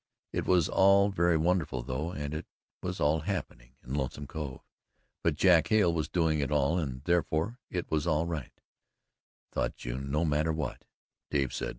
It was all very wonderful, though, and it was all happening in Lonesome Cove, but Jack Hale was doing it all and, therefore, it was all right, thought June no matter what Dave said.